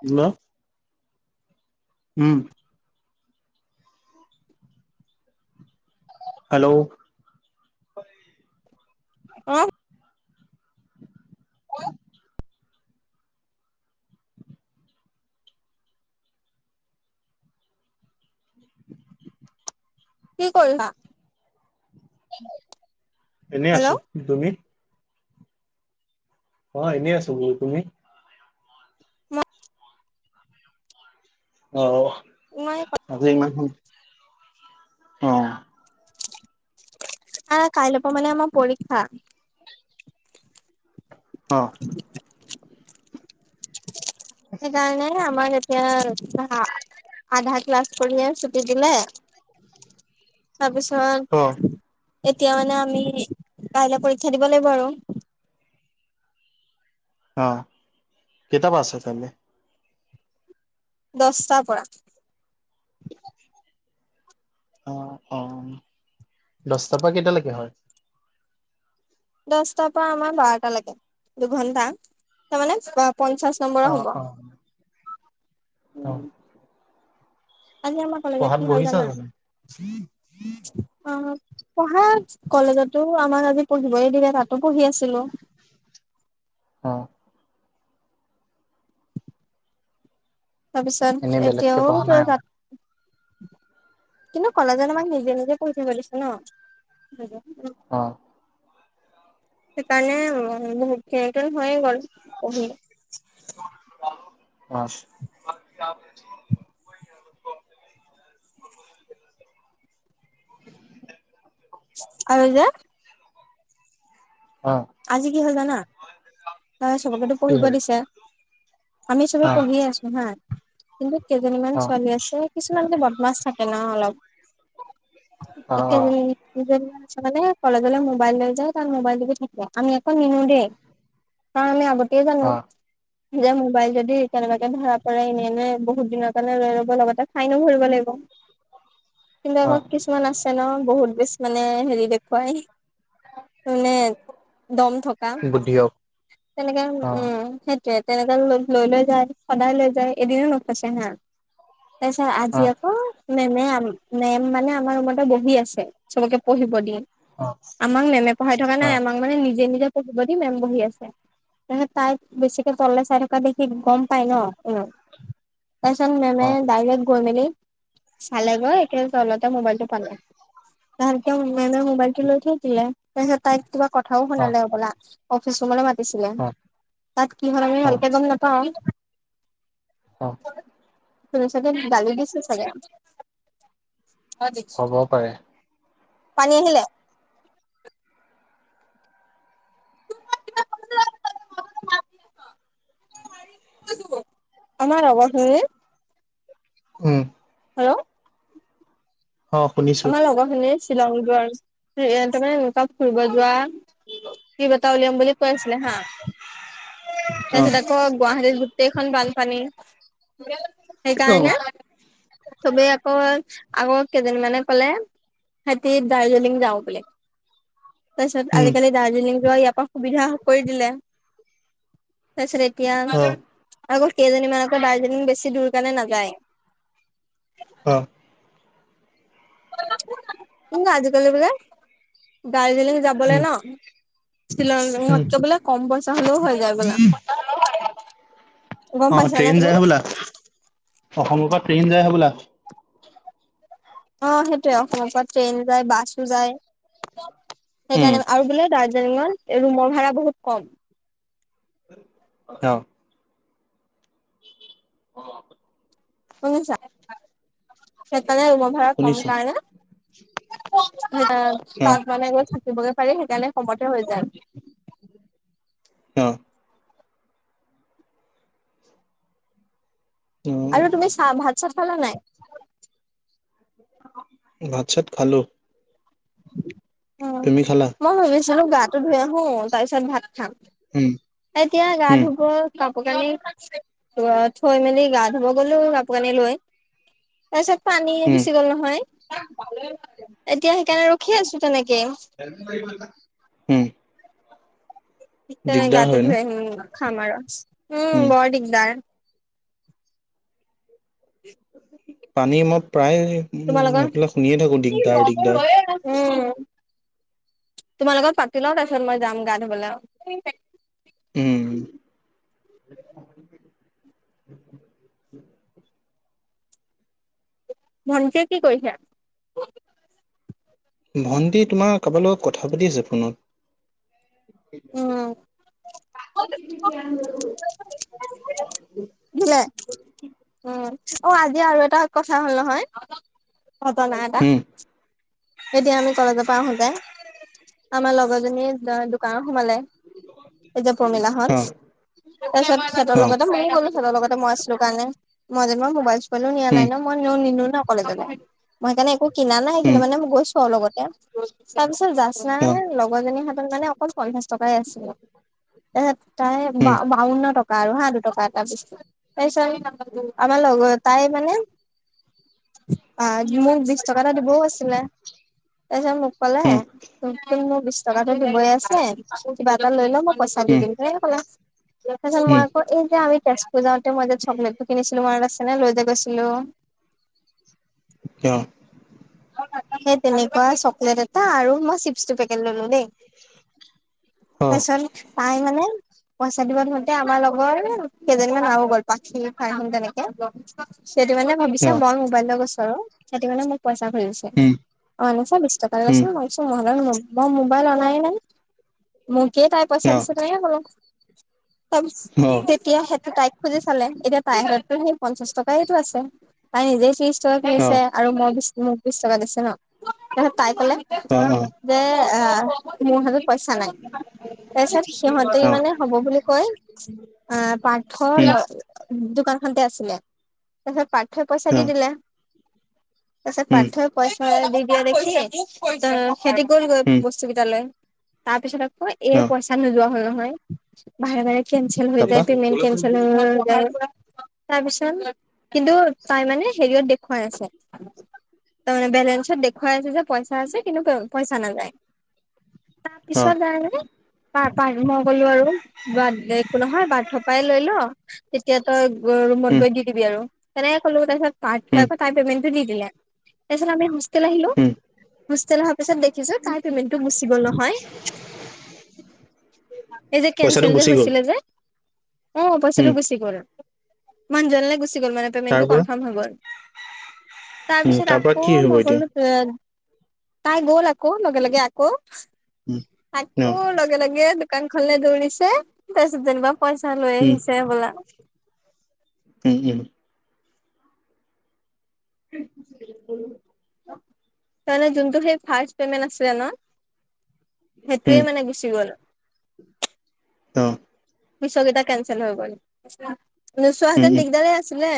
Hello উম। Hello! অ' কোৱা? কি কৰিছা? তেতুল এনেই হেল্ল' আছোঁ, তুমি? অ এনেই আছোঁ বোলো, তুমি? ম্‌ অঁ অ অ হ্‌। মই আজি ইমান সোন--অ অ অ। চিকেৰু কাৰা কুৰু, আ, কাইলৰ পৰা মানে আমাৰ পৰীক্ষা। অ অ অ। [unintelligible] সেইকাৰণে আমাক এতিয়া আধা, আধা ক্লাছ কৰিয়ে ছুটি দিলে। অ তাৰপিছত এতিয়া মানে আমি কাইলে পৰীক্ষা দিব লাগিব আৰু অ অ অ, কেইটাৰপৰা আছে কাইলে? দশটাৰ পৰা। অঁ, অঁ অ অ উম দশটাৰ পৰা কেইটালৈকে হ'য়? দশটাৰ পৰা আমাৰ বাৰটালৈকে দুঘন্টা। তাৰমানে বা পঞ্চাশ অ নম্বৰৰ হ'ব। অ অ। আজি আমাৰ কলেজত পঢ়াত কি হ'ল বহিছা জানা? জানো ছিট অ অ। পঢ়া কলেজটো আমাৰ আজি পঢ়িবই দিলে তাতো পঢ়ি আছিলোঁ। অঁ অ। এনেই তাৰপিছত বেলেগকে এতিয়াও পঢ়া নাই তই আৰু তাত কিন্তু কলেজত আমাক নিজে নিজে পঢ়ি থাকিব দিছে ন'? হুম হুম উম। অ অ। সেইকাৰণে উম উম উম, সিহঁতৰ হৈ গ'ল পঢ়ি। চু চু অঁ অ, ৱাছ। ছিট চু আৰু যে অ অ। আজি কি হ'ল জানা? ত' চবকেটো কি পঢ়িব হ'ল দিছে। আমি চবে অ পঢ়িয়ে আছো হাঁ কিন্তু কেইজনীমান অ ছোৱালী আছে কিছুমান যে বদমাছ থাকে ন' অলপ। অ একেজনী দুজনীমান ছোৱালীয়ে কলেজলৈ মোবাইল লৈ যায়। তাত মোবাইল টিপি থাকে। আমি একো নিনিও দেই। আ আমি আগতেই জানো। অ অ যে মোবাইল যদি কেনেবাকে ধৰা পৰে এনে এনে বহুত দিনৰ কাৰণে লৈ ল'ব লগতে ফাইনো ভৰিব লাগিব। কিন্তু অ আকৌ কিছ কিছুমান আছে ন বহুত বেছ মানে হেৰি দেখুৱাই মানে দম থকা বুদ্ধি হওক তেনেকে উহ অ উম উ উ। সেইটোৱে তেনেকে লৈ লৈ যায় সদায় লৈ যায় এদিনো নফছে হা। তাৰপিছে অ আজি আকৌ মেমে আম মেম মানে আমাৰ ৰুমতে বহি আছে চবকে পঢ়িব দি। অ অ। আমাক মেমে পঢ়াই থকা নাই আমাক মানে নিজে নিজে পঢ়িব দি মেম বহি আছে। এহে তাই বেছিকে তললে চাই থকা দেখি গম পায় ন, এই ৰ'। তাৰ পিচত মেমে অ ডাইৰেক্ট গৈ মেলি চালেগৈ একে তলতে মোবাইল টো পাল, তাহাঁত তেওঁৰ মোবাইল মোবাইলটো লৈ থৈ দিলে। তাৰপিছত তাইক কিবা কথাও অ শুনালে হবলা। অফিচ ৰৰুমলৈ মাতিছিলে। তাত কি হল আমি অ ভালকে গম নাপাওঁ। অঁ অ। কি ক'লে? শুনি চাগে হে গালি দিছে চাগে। হ'ব পাৰে পানী আহিলে? [unintelligible] আমাৰ লগৰ খিনি উম, হেল্ল', অ শুনিছো আমাৰ লগৰখিনি শ্বিলং যোৱাৰ, তাৰমানে এনেকুৱা ফুৰিব যোৱা, ট্ৰিপ এটা উলিয়াম বুলি কৈ আছিলে হা। অ', তাৰপিছত আকৌ গুৱাহাটীত গোটেইখন বানপানী। সেইকাৰণে অ', চবে আকৌ আগৰ কেইদিন মানে, কলে সিহতি দাৰ্জিলিং যাওঁ বুলি, তাৰ পাছত উম, আজিকালি দাৰ্জিলিং যোৱা ইয়াৰ পৰা সুবিধা কৰি দিলে। তাৰপিছত এতিয়া অ', আকৌ কেইজনীমান আকৌ দাৰ্জিলিং বছি দূৰ কাৰণে নাযায়। অ', আজিকালি বিলাক দাৰ্জিলিং উম, যাবলৈ ন, তিনলি উম। শতক বোলে কম বইচা হলেও হৈ যায় বোলে। গম অ', পাইছা নে ট্ৰেইন তুমি? যায় হ'বলা, অসমৰ পৰা ট্ৰেইন যায়হে হবলা। অ, সেইটয়ে অসমৰ পৰা ট্ৰেইন যায় বাছো যায়। উম, সেইকাৰণে আৰু বোলে দাৰ্জিলিঙত ৰুমৰ ভাড়া বহুত কম। অ', শুনিছা। সেইকাৰণে ৰুমৰ ভাড়া কম শুনিছোঁ কাৰণে অ', তাত মানে গৈ থাকিবগে পাৰে সেইকাৰণে কমতে হৈ যায়। অ', উম, আৰু তুমি চাহ, ভাত-চাত খালা নাই? ভাত-চাত খালো। উম, খালা? মই ভাবিছিলো গাটো ধুই আহো তাৰ পিছত ভাত খাম। উম, এতিয়া গা উম, ধুব, কাপোৰ কানি থৈ মেলি গা ধুব গলো। কাপোৰ কানি লৈ, তাৰ পিছত পানী উম, গুচি গ'ল নহয়, এতিয়া সেইকাৰণে ৰখি আছো তেনেকে। উম, দি তেনাই দিগদাৰ গাটো হয় ন? ধুুৱই আহিম খাম আৰু উম, বৰ দিগদাৰ। পানী মই প্ৰায় উ তোমাৰ লগত নফেলাই শুনিয়ে থাকো দিগদাৰ-দিগদাৰ। উম, তোমাৰ লগত পাতি ল‌ওঁ তাৰপিছত মই যাম গা ধুবলে। উম, ভণ্টিয়ে কি কৰিছে? ভণ্টি তোমাৰ কাৰোবাৰ লগত কথা পাতি আছে ফোনত। [inaudible] দিলে উম, অ' আজি আৰু এটা কথা হ'ল নহয়। ঘটনা এটা, উম, এতিয়া আমি কলেজৰ পৰা আহোতে। আমাৰ লগৰজনীয়ে দোকান সোমালে এই যে প্ৰমিলাহ‍ঁত অ', তাৰ পিছত সিহঁতৰ অ', লগতে ম‌ইয়ো গলো। সিহঁতৰ লগতে মই আছিলো কাৰণে মই যেনেবা মোবাইল, মোবাইলো নিয়া নাই উম, ন মই নিনিও ন কলেজলে, মই সেইকাৰণে মোৰ কিনা নাই উম, কিন্তু মানে মই গৈছো আৰু লগতে তাৰপিছত জাজনাৰ অ', লগৰজনীৰ হাতত মানে অকল পঞ্চাশ টকাই আছিলে, তাৰপিছত তাই উম, বাৱন্ন টকা আৰু হা দুটকাত তাৰপিছত-তাৰপিছত আমাৰ লগৰ এটাই মানে আহ, মোক বিশ টকা এটা দিবও আছিলে তাৰপিছত মোক ক'লে? উম, তোকটো মোৰ বিশ টকাটো দিবই আছে কিবা এটা লৈ ল মই পইচা দি উম, দিম সেনেকে ক'লে। তাৰপিছত মই উম, আকৌ এই যে আমি তেজপুৰ যাওঁতে মই যে চকলেটটো কিনিছিলো মনত আছে নে লৈ যে গৈছিলোঁ? কিয়? সেই তেনেকুৱা চকলেট এটা আৰু মই চিপছ দুপেকেট ললো দেই। অ', তাৰপিছত তাই মানে পইচা দিব ধৰোতে আমাৰ লগৰ কেইজনীমান আৰু হৈ গ'ল পাখি, ফাৰ্ম তেনেকে ল সেইটো মানে ভাবিছে অ'। মই মোবাইল লৈ গৈছো আৰু সেইটো কাৰণে মোক পইচা ঘূৰি গৈছে। কে অ অনিছা বিছ টকা দেচোন, মই চু অহ মডাল মোবাইল মোবাইল অনাই নাই, মোকেই তাই পইচা দিছে তেনেকে কলো। তাৰপিছ তে তিয়া সেইটো তাইক খুজি চালে এতিয়া তাইৰ হাততো সেই পঞ্চাশ টকাইটো আছে, তাই নিজেই চিপছ ছ কিনিছে আৰু মই বিশ মোক বিশ টকা দিছে ন তাৰপিছত তাই কলে যে আহ মোৰ হাতত পইচা নাই। তাৰপিছত সিহঁতে মানে হব বুলি কৈ আহ পাৰ্থ ল অ দোকানখনতে আছিলে তাৰপিছত পাৰ্থই পইচা দি দিলে। তাৰপিছত পাৰ্থ‌ই পইচা দি দিয়া দেখি সিহঁতি গ'ল গৈ বস্তু কেইটা লৈ। তাৰ পিছত আকৌ এই পইচা নোযোৱা হ'ল নহয়, বাৰে - বাৰে কেঞ্চেল হৈ তাৰপা যায়, পেমেণ্ট কেনচেল হৈ-হৈ যায়। তাৰপিছত কিন্তু তাই মানে হেৰিয়ত দেখুৱাই আছে। তাৰমানে বেলেঞ্চত দেখুৱাই আছে যে পইচা আছে কিন্তু পইচা নাযায়। অ তাৰপিছত তাই মানে পাৰ-পাৰ মই কলো আৰু বাদ দে একো নহয় পাৰ্থৰ পাই লৈ ল তেতিয়া তই ৰুমত উম গৈ দি দিবি আৰু তেনেকে কলো তাৰপিছত পাৰ্থ উম আকৌ তাইৰ পেমেণ্টটো দি দিলে। তাৰপিছত আমি হোষ্টেল আহিলো উম হোষ্টেল হোৱাৰ পিছত দেখিছো তাৰ পেমেণ্টটো গুচি গ'ল নহয়। এই যে পইচাটো কেঞ্চেল যে গুচি গ'ল হৈছিলে যে অহ', পইচাটো উম গুচি গ'ল। কিমান জনলৈ গুচি গ'ল মানে তাৰ পেমেণ্টটো পৰা কনফাৰ্ম হৈ গল। উম তাৰপিছত তাৰ পৰা আকৌ কি হ'ব ম‌ই এতিয়া কলো এ তাই গ'ল আকৌ লগে-লগে আকৌ উম অ আকৌ লগে-লগে দ দোকানখনলে দৌৰিছে তাৰপিছত যেনিবা পইচা লৈ উম আহিছে বোলা। উম-উম। [unintelligible] তাৰে যোনটো সেই ফাৰ্ষ্ট পেমেন্ট আছিলে ন উম সেইটোৱেই মানে গুচি গল। অ পিছৰ কেইটা কেনচেল হৈ গ'ল, নোচোৱা উম হেতেন উম দিগদাৰ আছিলে।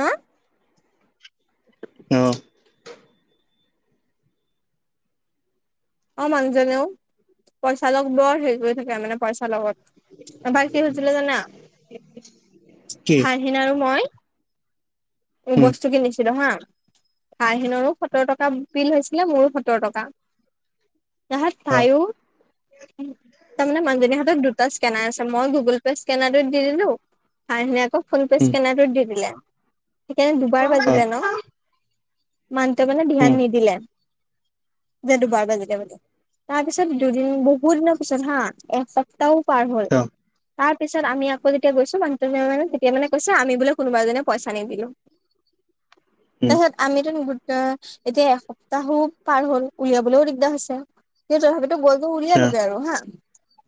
ন। অহ। অ' মানুহজনেও। পইচা লগ বৰ হেৰি কৰি থাকে মানে পইচা লগত। এবাৰ কি হৈছিলে জানা কি ভাইহিনা আৰু মই উম বস্তু কিনিছিলো হা', ভাইহিনৰো সত্তৰ টকা বিল হৈছিলে মোৰো সত্তৰ টকা। তাহাত অ ভাইও তাৰমানে মানুহজনী হাতত দু টা স্কেনাৰ আছে, মই গুগল পে' স্কেনাৰতো দি দিলো, ভাইহিনে আকৌ ফোনপে' উম স্কেনাৰটোত দি দিলে। সেইকাৰণে দুবাৰ অ বাজিলে ন', মানুহটোৱে মানে উম ধ্যান নিদিলে। দে দুবাৰ বাজিলে বোলে। তাৰপিছত দুদিন, বহুত দিনৰ পিছত হাঁ, একত তাও পাৰ হ'ল। অ তাৰপিছত আমি আকৌ যেতিয়া গৈছো মানুহজনে মানে তেতিয়া কৈছে আমি কোনোবা এজনে পইচ নিদিলো। উম তাৰপিছত আমিতো মূহুৰ্ত এতিয়া এসপ্তাহো পাৰ হ'ল, উলিয়াবলো দিগদাৰ হৈছে। কিন্তু তথাপিতো গৈ টো অ উলিয়ালোগে আৰু হাঁ।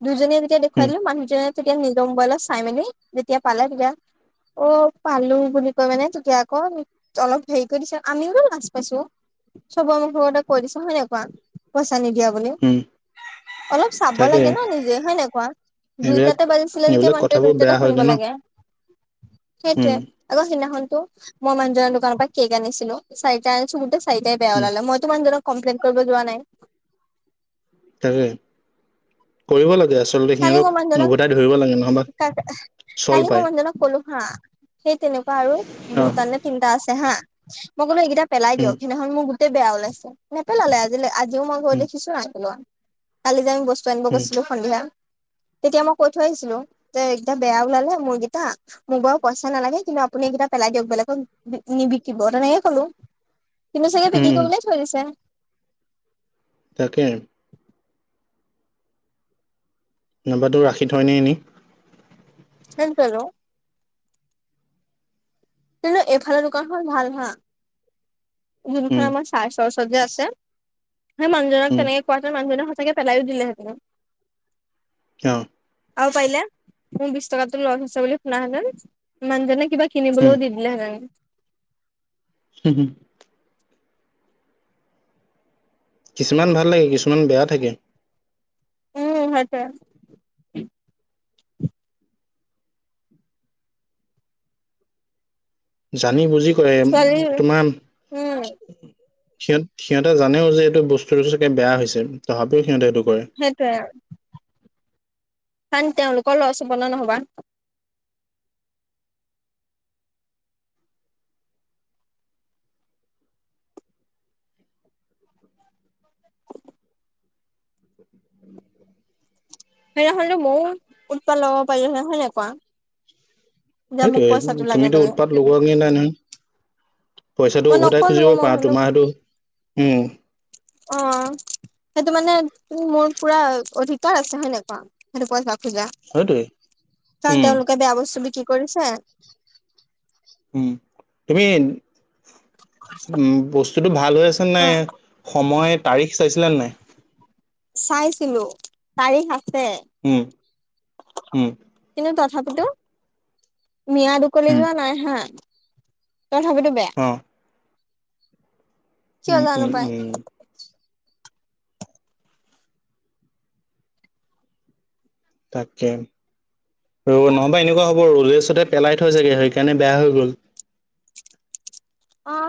দুজনীয়ে যেতিয়া দেখুৱাই উম দিলো মানুহজনে তেতিয়া নিজৰ মোবাইলত চাইমেলি যেতিয়া পালে, তেতিয়া অ, পালো বুলি কয় মানে তেতিয়া আকৌ অলপ হেৰি কৰি দিছে আমিও তো লাচ পাইছো। চবৰে মুখৰ আগতে কৈ দিছে হয় নাই কোৱা পইচা নিদিয়া বুলি। উম অলপ চাব তাকে লাগে ন' নিজে হয় নাই কোৱা। এইবিলাক দুইটাতে বাজিছিলে যেতিয়া এইবিলাক মানুহতোয়ে কথাবোৰ দুইটাতে বেয়া শুনিব হয়গে ন লাগে সেইটোৱে। উম সেইদিনাখন তো মই মানুহজনৰ দোকানৰ পৰা কে'ক আনিছিলো চাৰিটা আনিছিলো গোটেই চাৰিটাই বেয়া উম ওলালে। মইতো মানুহজনক কমপ্লেইন কৰিব যোৱা নাই। তাকে। কৰিব লাগে। আচলতে কালি মই সিহঁতক মানুহজনক ওভতাই ধৰিব লাগে ন'হবা চল পায়। হাঁ। সেই তেনেকুৱা আৰু অ দুটানে চিন্তা আছে হাঁ। মই কলো এইকেইটা পেলাই উম, দিয়ক সেইদিনাখন মোৰ গোটেই বেয়া ওলাইছে নেপেলালে। আজিলে মই গৈ উম, দেখিছো কালি যে আমি বস্তু আনিব উম, গৈছিলো সন্ধিয়া। তেতিয়া মই কৈ থৈ আহিছিলো যে একদম বেয়া ওলালে মোৰকেইটা, মোক বাৰু পইচা নালাগে কিন্তু আপুনি এই কেইটা পেলাই দিয়ক বেলেগক নিবিকিব তেনেকে কলো। কিন্ত চাগে উম, বিক্ৰী উম, কৰিবলে থৈ দিছে। তাকে। নাম্বাৰটো ৰাখি থও নে এনেই। [unintelligible] কিন্তু এইফালৰ দোকানখন ভাল হা। যোনখন উম, আমাৰ চাৰে চৰচটি যে আছে। সেই মানুহজনক উম, তেনেকে কোৱা হেতে'ন মানুহজনে সঁচাকে পেলাই দিলেহেঁতেন। অ', আৰু পাৰিলে মোৰ বিশ টকাটো লৈ থৈছে বুলি শুনা হেতেন, মানুজনে কিবা উম, কিনিবলৈও দি দিলে হেতেন। হুম হম। [unintelligible] কিছুমান ভাল লাগে, কিছুমান বেয়াও থাকে। উম, সেইটোৱেই। জানি বুজি কৰে। ছোৱালী তোমাৰ উম সিহঁত-সিহঁতে জানেও যে এইটো বস্তুটো চাগে বেয়া হৈছে তথাপিও সিহঁতে এইটো কৰে। সেইটোয়ে আৰু। কাৰণ তেওঁলোকৰ লছ হ'ব যে ন'হবা। সেইদিনাখনতো মইও উৎপাত লগাব পাৰিলো হেতেন হয় নাই কোৱা। যে মোক পইচাটো সেইটোৱেই। লাগে তুমিতো বুলি উৎপাত লগোৱাগে নাই নহয়। পইচাটো মই উভতাই নকলো খুজিব মই পাৰা ভাবিলো তোমাৰ সেইটো, উম, অ, সেইটো মানে মোৰ পুৰা অধিকাৰ আছে। হয় নাই? পইচা খোজা সেইটোৱে কাৰণ উম, তেওঁলোকে বেয়া বস্তু বিক্ৰী কৰিছে। উম, তুমি উম, বস্তুতটো ভাল হৈ আছে নাই কোৱা সময় তাৰিখ চাইছিলে নাই। চাইছিলো তাৰিখ আছে। উম, উম, কিন্তু তথাপিতোও মিয়াত উকলি যোৱা নাই হা। তথাপিতো বেয়া। অ', কিয় উম, জানো উম, পাই উম, তাকে ৰ নহ'বা এনেকুৱা হ'ব ৰ'দেছতহ পেলাই থয় চাগে সেইকাৰণে বেয়া হৈ গ'ল। অ